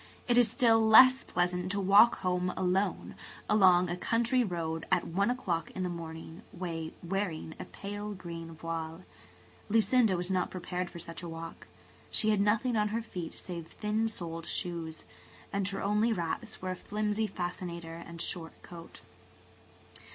It is still less pleasant to walk home alone along a country road, at one o'clock in the morning, wearing a pale green voile. Lucinda was not prepared for such a walk. She had nothing on her feet save thin soled shoes, and her only wraps were a flimsy fascinator and a short coat.